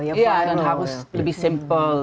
iya dan harus lebih simpel